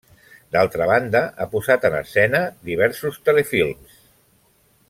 D'altra banda ha posat en escena diversos telefilms.